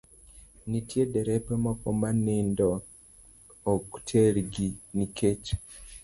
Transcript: Nitie derepe moko ma nindo ok tergi nikech